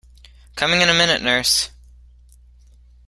Coming in a minute, nurse!